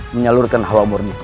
menyalurkan hawa murniku